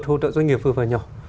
luật hỗ trợ doanh nghiệp vừa và nhỏ